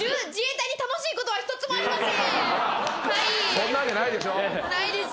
そんなわけないでしょ。